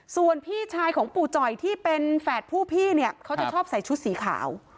ส่วนพี่ชายของปู่จ่อยที่เป็นแฝดผู้พี่เนี่ยเขาจะชอบใส่ชุดสีขาว